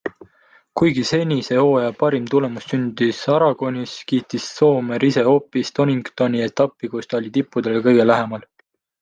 Kuigi senise hooaja parim tulemus sündis Aragonis, kiitis Soomer ise hoopis Doningtoni etappi, kus ta oli tippudele kõige lähemal.